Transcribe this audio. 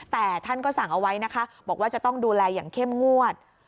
แต่ท่านก็สั่งเอาไว้นะคะบอกว่าจะต้องดูแลอย่างเข้มงวด